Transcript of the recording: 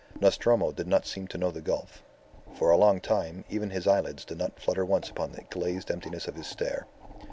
Nostromo did not seem to know the gulf. For a long time even his eyelids did not flutter once upon the glazed emptiness of his stare.